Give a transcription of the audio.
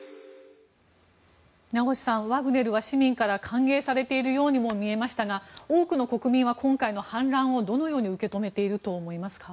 名越さん、ワグネルは市民から歓迎されているようにも見えましたが多くの国民は今回の反乱をどのように受け止めているとみていますか。